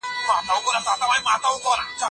هغه په انګلستان کي د څيړني دوره پای ته ورسوله.